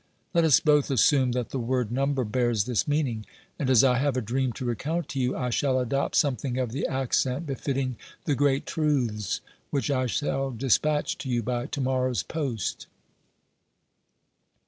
Let us both assume that the word number bears this meaning, and as I have a dream to recount to you, I shall adopt something of the accent befitting the great truths which I shall despatch to you by to morrow's post.